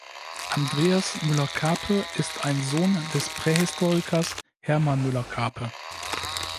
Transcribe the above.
Andreas Müller-Karpe ist ein Sohn des Prähistorikers Hermann Müller-Karpe.